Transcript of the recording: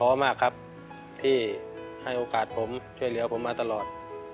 มากครับที่ให้โอกาสผมช่วยเหลือผมมาตลอด